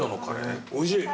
おいしい。